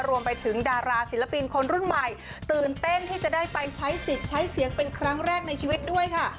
รวมไปถึงดาราศิลปินคนรุ่นใหม่ตื่นเต้นที่จะได้ไปใช้สิทธิ์ใช้เสียงเป็นครั้งแรกในชีวิตด้วยค่ะ